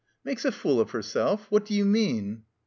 "Makes a fool of herself? What do you mean?"